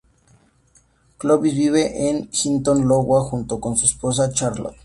Clovis vive en Hinton, Iowa, junto con su esposa Charlotte.